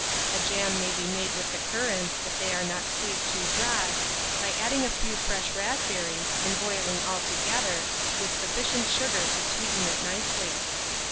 A jam may be made with the currants, if they are not squeezed too dry, by adding a few fresh raspberries, and boiling all together, with sufficient sugar to sweeten it nicely.